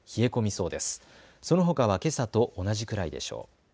そのほかはけさと同じくらいでしょう。